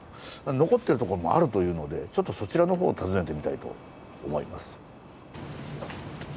残っているとこもあるというのでちょっとそちらのほうを訪ねてみたいと思います。